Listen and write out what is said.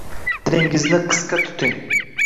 Tilingizni qisqa tuting